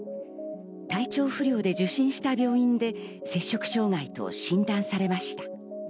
体調不良で受診した病院で摂食障害と診断されました。